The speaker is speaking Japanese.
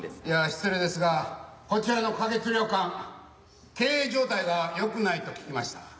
いや失礼ですがこちらの花月旅館経営状態がよくないと聞きました。